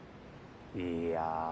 いや。